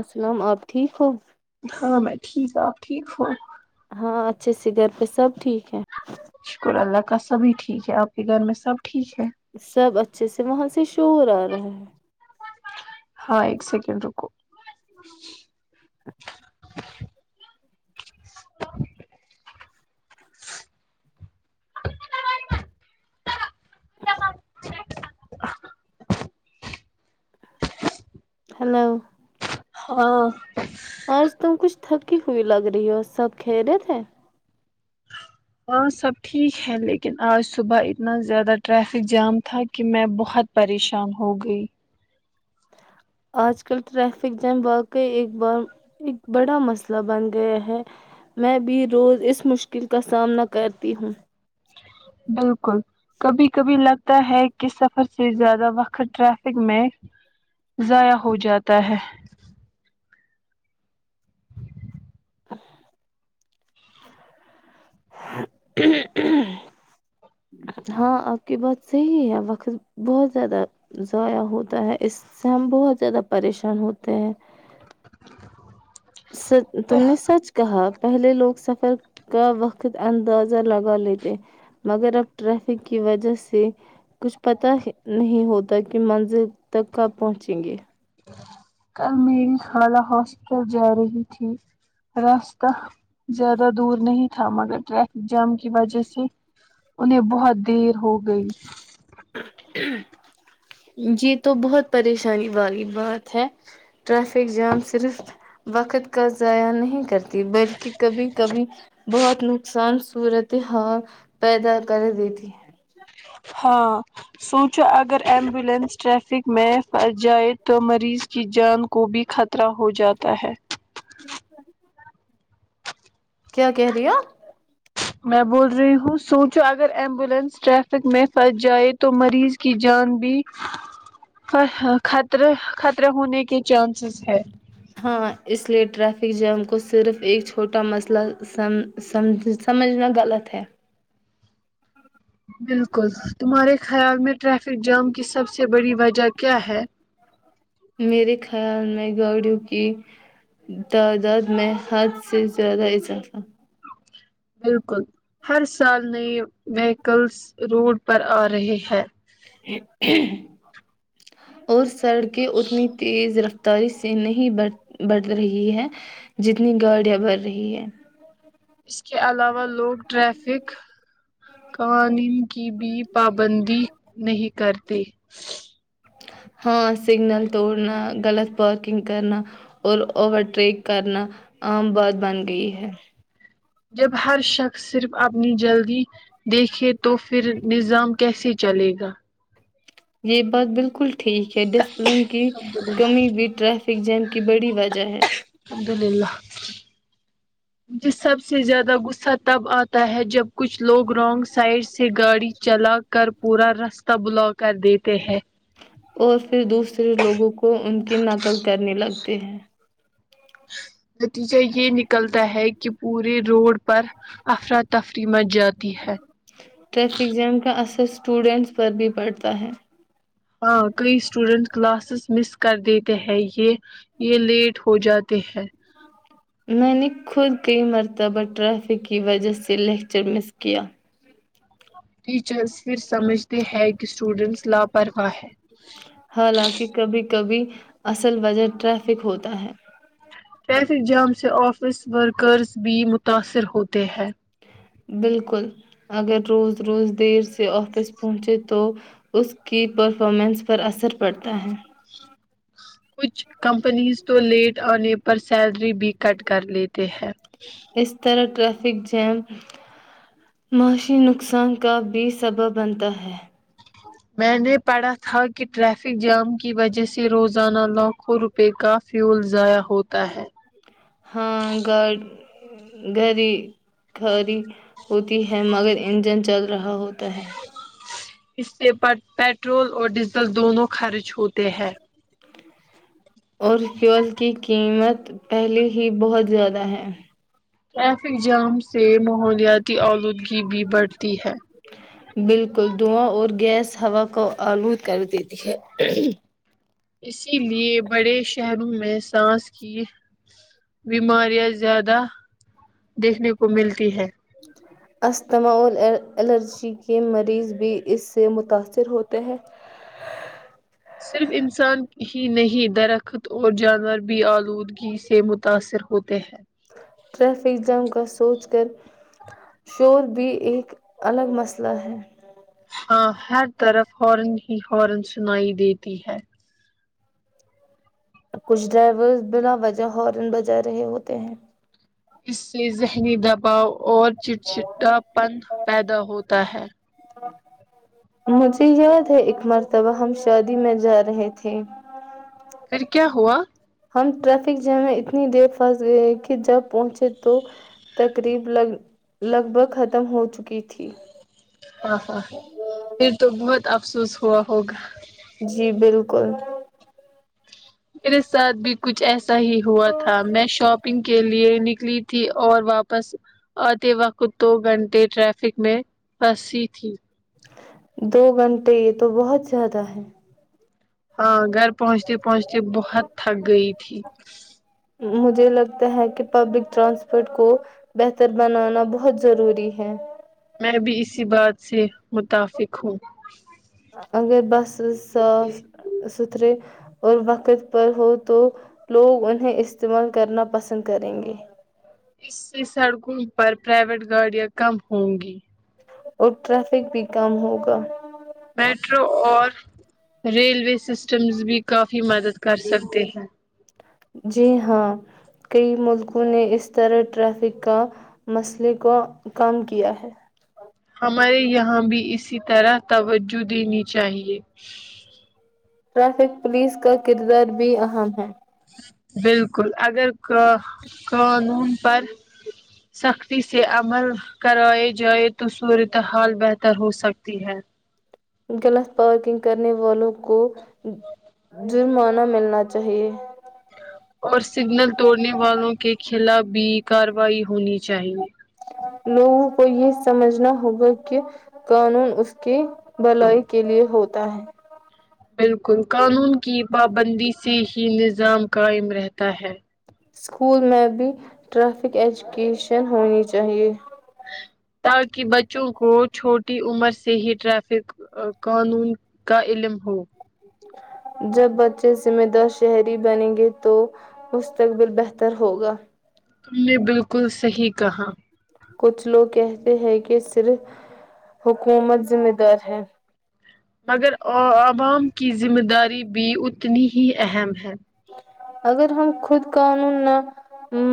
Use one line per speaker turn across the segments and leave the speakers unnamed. السلام آپ ٹھیک ہو
ہاں میں ٹھیک ہ آپ ٹھیک ہوں
ہاں اچھے سے گھر پہ سب ٹھیک ہے
ش اللہ کا سبھی ٹھیک ہے آپ کے گھر میں سب ٹھیک ہے
سب اچھے سے وہاں سے شور آ رہا ہے
ہاں ایک سیکنڈ رکو [inaudible] [inaudible]
[inaudible]
[inaudible]
ہلو
ہاں
آج تم کچھ تھکی ہوئی لگ رہی ہو سب کہ رہے تھے
ہاں سب ٹھیک ہے لیکن آج صبح اتنا زیادہ ٹریفک جام تھا کہ میں بہت پریشان ہو گئی
آج کل ٹریفک جم واقعی ایک بڑا مسئلہ بن گیا ہے میں بھی روز اس مشکل کا سامنا کرتی ہوں
بالکل کبھی کبھی لگتا ہے کہ سفر سے زیادہ وقت ٹریفک میں ضائع ہو جاتا ہے
ا [unintelligible] ہاں آپ کی بات صحی ہے وقت بہت زیادہ ضائع ہوتا ہے اس سے ہم بہت زیادہ پریشان ہوتے ہیں
[inaudible]
س تم نے سچ کہا پہلے لوگ سفر کا وقت اندازہ لگا لیتے مگر اب ٹریفک کی وجہ سے کچھ پت نہیں ہوتا کہ منزل تک کب پہنچیں گے
کل میری خالہ ہاسپٹل جا رہی تھی راستہ زیادہ دور نہیں تھا مگر ٹریفک جام کی وجہ سے انہیں بہت دیر ہو گئی
یہ تو بہت پریشانی والی بات ہے ٹریافک جام صرف وقت کا ضائع نہیں کرتی بلکہ کبھی کبھی بہت نقصان صورت حال پیدا کر دیتی ہے
ہاں سوچو اگر ایمبولینس ٹریفک میں پھنس جائے تو مریض کی جان کو بھی خطرہ ہو جاتا ہے
جک [unintelligible] کیا کہہ رہی ہے
میں بول رہی ہوں سوچو اگر ایمبولینس ٹریفک میں پھنس جائے تو مریض کی جان بھیر خطرہ ہونے کے چانسیز ہے
ہاں اس لیے ٹریفک جام کو صرف ایک چھوٹا مسئلہ سمجھنا غلط ہے
بالکل تمہارے خیال میں ٹریفک جام کی سب سے بڑی وجہ کیا ہے
میرے خیال میں گاڑیوں کی تعداد میں حد سے زیادہ اضافہ
بالکل ہر سال نئے ویکلس روڈ پر آ رہے ہے
اور سڑکیں اتنی تیز رف اری سے نہیں ب بڑھ رہی ہے جتنی گاڑیاں بڑھ رہی ہے
اس کے علاوہ لوگ ٹریفک قوانین کی بھی پابندی نہیں کرتے
ہاں سگنل توڑنا غلط پارکنگ کرنا اور اوورٹریک کرنا عام بات بن گئی ہے
جب ہر شخص صرف اپنی جلدی دیکھے تو پھر نظام کیسے چلے گا
یہ بات بالکل ٹھیک ہے ڈسپلن کی
الحمد للہ
کمی بھی ٹریف ٹکجن کی بڑی وجہ ہے
ج سب سے زیادہ غصہ تب آتا ہے جب کچھ لوگ رانگ سائڈ سے گاڑی چلا کر پورا راستہ بلا کر دیتے ہے
اور پھر دوسرے لوگوں کو ان کی نقل کرنے لگتے ہیں
نتیجہ یہ نکلتا ہے کہ کہ پورے روڈ پر افراتفری م جد
ٹرافک جام کا اسٹوڈینٹس پر بھی پڑھتا ہے
ہاں کئی اسٹوڈینٹ کلاسز مس کر دیتے ہیں یہ یہ لیٹ ہو جاتے ہیں
میں نے خود کئی مرتبہ ٹریفک کی وجہ سے لیکچر مس کیا
ٹیچرس پھر سمجھتے ہے کہ اسٹوڈینٹس لاپرواہ ہے
حالانکہ کبھی کبھی اصل وجہ ٹریفک ہوتا ہے
ٹریفک جام سے آفس ورکرز بھی متاثر ہوتے ہیں
بالکل اگر روز روز دیر سے سے آفس پہنچت تو اس کی پرفارمنس پر اثر پڑتا ہے
کچھ کمپنیز تو لیٹ آنے پر سیلری بھی کٹ کر لیتے ہیں
اس طرح ٹریفک جیم معاشی نقصان کا بھی سبب بنتا ہے
میں نے پڑھا تھا کہ ٹریفک جام کی وجہ سے روزانہ لاکھوں روپے کا فیول ضائع ہوتا ہے
ہاں گا گڑی گھڑی ہوتی ہے مگر انجن چل رہا ہوتا ہے
اس سے پٹرول اور ڈیزل دونوں خرچ ہوتے ہیں
اور فیول کی قیمت پہلے ہی بہت زیادہ ہے
ٹریفک جام سے ماحولیاتی آلودگی بھی بڑھتی ہے
بالکل دواں اور گیس ہوا کو آلود کر دیتی ہے
اس کے لیے بڑے شہروں میں سانس کی بیماریاں زیادہ دیکھنے کو ملتی ہے
اسجتھماول الرجی کے مریض بھی اس سے متاثر ہوتے ہیں
صرف انسان ہی نہیں درخت اور جانور بھی آلودگی سے متاثر ہوتے ہیں
ٹریفک جام کا سوچ کر شور بھی ایک الگ مسئلہ ہے
ہاں ہر طرف ہارن ہی ہارن سنائی دیتی ہے
کچھ ڈرائیور بنا وجہ ہارن بجا رہے ہوتے ہیں
اس سے ذہنی دباؤ اور چٹ چٹٹا پن پیدا ہوتا ہے
مجھے یاد ہے ا مرتبہ ہم شادی میں جا رہے تھے
پھر کیا ہوا
ہم ٹریفک جیم میں اتنی دیر پھنس گئے کہ جب پہنچے تو تقریب لگ لگ بھگ ختم ہو چکی تھی
ہاں ہاں پھر تو بہت افسوس ہوا ہوگا
گل
میرے ساتھ بھی کچھ ایسا صحیح ہوا تھا میں شاپ گ کے لیے نکلی تھی اور واپس آتے وقت دو گھنٹے ٹریفک میں پھنسی تھی
دو گھنٹے یہ تو بہت زیادہ ہے
ہاں گھر پہنچتے پہنچتی بہت تھک گئی تھی
مجھے لگتا ہے کہ پبلک ٹرانسپورٹ کو بہتر بنانا بہت ضروری ہے
میں بھی اسی بات سے متفق ہوں
اگر بس ساس س تھھر اور وقت پر ہو تو لوگ انہیں استعمال کرنا پسند کریں گے
اس سے سڑکوں پر پرائیویٹ گاڑیاں کم ہوں گی
اور ٹرافک بھی کم ہوگا
میٹرو اور ریلوے سسٹمز بھی کافی مدد کر سکتے ہیں
جی ہاں کئی ملکوں نے اس طرح ٹریفک کا مسئلے کو کم کیا ہے
ہمارے یہاں بھی اسی طرح توجہ دینی چاہیے
ٹریفک پولیس کا کردار بھی اہم ہے
بالکل اگر کا قانون پر سختی سے عمل کرائے جائے تو صورتحال بہتر ہو سکتی ہے
غلط پارکنگ کرنے والوں کو جرمانہ ملنا چاہئے
اور سگنل توڑنے والوں کے خلاف بھی کارروائی ہونی چاہیے
لوگوں کو یہ سمجھنا ہوگا کہ قانون اس کی بھلائی کے لیے ہوتا ہے
بالکل قانون کی پابندی سے ہی نظام قائم رہتا ہے
اسکول میں بھی ٹریفک ایجوکیشن ہونی چاہیے
تاکہ بچوں کو چھوٹی عمر سے ہی ٹریفک قانون کا علم ہو
جب بچے ذمہ دار شہری بنیں گے تو مستقبل بہتر ہوگا
تم نے بالکل صحیح کہا
کچھ لوگ کہتے ہیں کہ صرف حکومت ذمہ دار ہے
مگرو عبام کی ذمہ داری بھی ا اتنی ہی اہم ہے
اگر ہم خود قانون نہ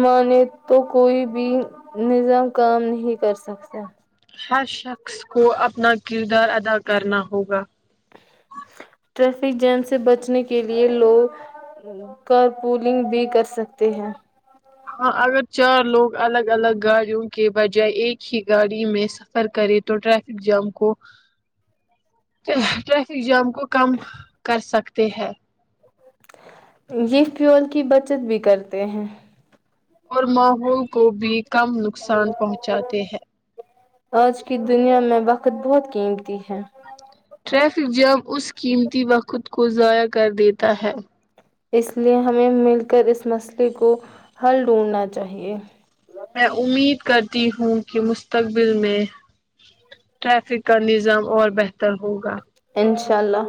مانے تو کوئی بھی نظام کام نہیں کر سکتا
ہر شخص کو اپنا کردار ادا کرنا ہوگا
ٹریفک جیم سے بچنے کے لیئے لوگ کارپولنگ بھی کر سکتے ہیں
ہاں اگر چار لوگ الگ الگ گاڑیوں کے بجائے ایک ہی گاڑی میں سفر کرے تو ٹریافک جام کو ٹریفک جام کو کم کر سکتے ہیں
یہ پیول کی بچت بھی کرتے ہیں
اور ماحول کو بھی کم نقصان پہنچاتے ہیں
آج کی دنیا میں وقت بہت قیمت تی ہے
ٹریفک جام اس قیمتی وقت کو ضائع کر دیتا ہے
اس لیے ہمیں مل کر اس مسئلے کو حل ڈھونڈنا چاہیے
میں امید کرتی ہوں کہ مستقبل میں ٹریفک کا نظام اور بہتر ہوگا
انشاء اللہ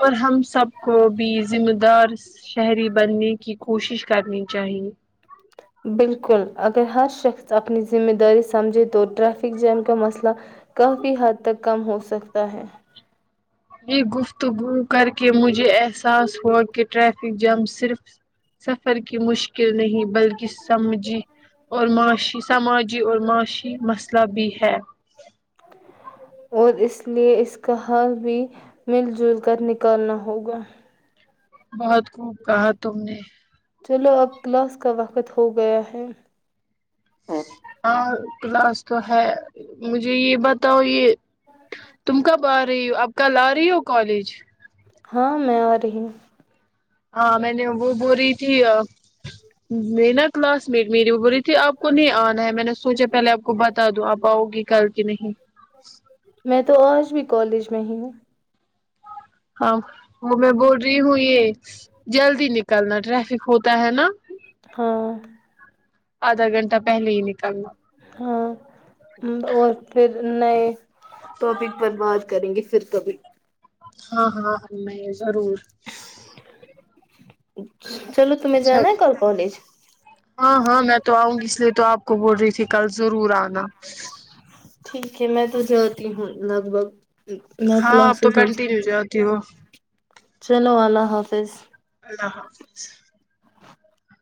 اور ہم سب کو بھی ذمہ دار شہری بننے کی کوشش کرنی چاہیے
بالکل اگر ہر شخص اپنی ذمہ داری سمجھے تو ٹریفک جیم کا مسئلہ کافی حد تک کم ہوسکتا ہے
یہ گفتگو کر کے مجھے احساس ہوا کہ ٹریفک جام صرف سفر کی مشکل نہیں بلکہ سمجھی اور معاشی سماجی اور معاشی مسئلہ بھی ہے
اور اس لیے اس کا حال بھی مل جل کر نکالنا ہوگا
بہت خوب کہا تم نے
چلو اب کلاس کا وقت ہو گیا ہے
آ کلاس تو ہے مجھے یہ بتاؤ یہ
ہ ہاں
اب آ رہی ہو اب کل آ رہی ہو کالج
ہاں میں آ رہی ہوں
آاں میں نے وہ بور ت آ میں نا کلاس میٹ میری بری تھی آپ کو نہیں آنا ہے میں نے سوچے پہلے آپ کو بتا دو آپ آؤ گی کل کی نہیں
میں تو آج بھی کالج میں ہی ہوں
ہاں وہ میں بول رہی ہوں یہ جلدی نکلنا ٹریفک ہوتا ہے نا
ہاں
آدا گھنہ پہے ہیک
ہاں اور پھر نہیں ٹاپک برباد کریں گے ترکب
ہاں ہاں ہم میں ضرور
چلو تمہیں
اچھا
جانا ہے کل کالج
ہاں ہاں میں تو آؤں گی اس لیے تو آپ کو بول رہی تھی کل ضرور آنا
ٹھیک ہے میں تو جاتی ہوں لگ بھگ میں
ہاں اب تو
کلاسز میں
کنٹینیو جاتی ہو
چلو اللہ حافظ
اللہ حافظ